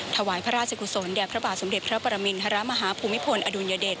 ถวายพระราชกุศลแด่พระบาทสมเด็จพระปรมินทรมาฮาภูมิพลอดุลยเดช